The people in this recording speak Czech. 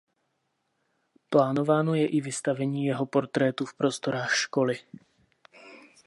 Plánováno je i vystavení jeho portrétu v prostorách školy.